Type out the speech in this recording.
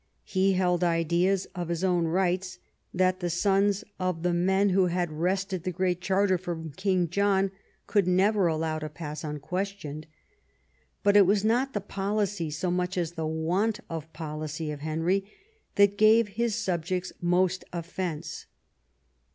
He held ideas of his own rights that the sons of the men who had wrested the Great Charter from King John could never allow to pass unquestioned. But it was not tlie policy so much as the want of policy of Henry that gave his subjects most offence.